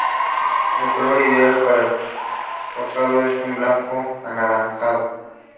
El color ideal para el forjado es un blanco-anaranjado.